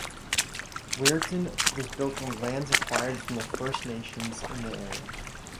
Wiarton was built on lands acquired from the First Nations in the area.